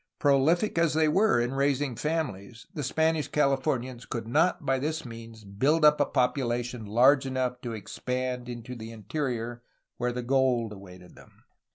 Prolific as they were in raising families, the Spanish Cahfomians could not by this means build up a population large enough to expand into the interior where the gold awaited them.